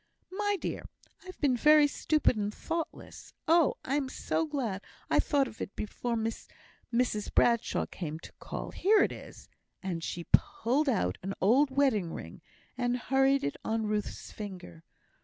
"My dear, I've been very stupid and thoughtless. Oh! I'm so glad I thought of it before Mrs Bradshaw came to call. Here it is!" and she pulled out an old wedding ring, and hurried it on Ruth's finger.